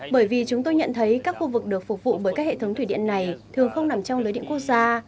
bởi vì chúng tôi nhận thấy các khu vực được phục vụ bởi các hệ thống thủy điện này thường không nằm trong lưới điện quốc gia